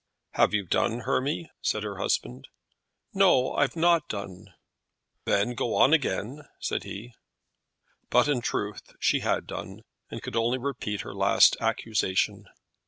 "Have you done, Hermy?" said her husband. "No; I've not done." "Then go on again," said he. But in truth she had done, and could only repeat her last accusation.